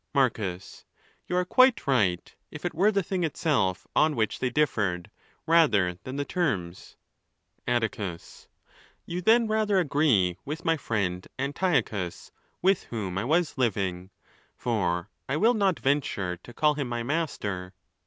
Marcus.—You are quite right if it were the thing itself on which they differed, rather than the terms. iy XXI. Atticws:—You then rather agree with my friend Antiochus, with whom I was living, for I will not venture to call him my master.